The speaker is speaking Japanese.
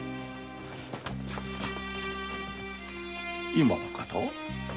今の方は？